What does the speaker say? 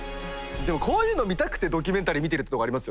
でもこういうのを見たくてドキュメンタリー見てるってとこありますよね。